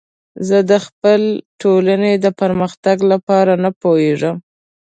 زه د خپلې ټولنې د پرمختګ لپاره نه پوهیږم.